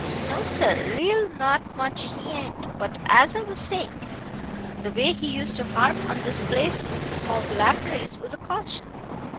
No sir ree! Not much, he ain't. But, as I was sayin', the way he used to harp on this place o' Lapierre's was a caution.